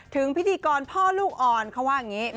พิธีกรพ่อลูกอ่อนเขาว่าอย่างนี้